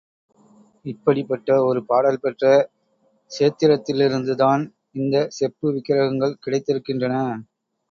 இப்படிப்பட்ட ஒரு பாடல் பெற்ற க்ஷேத்திரத்திலிருந்துதான் இந்தச் செப்பு விக்கிரகங்கள் கிடைத்திருக்கின்றன.